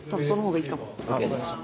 ＯＫです。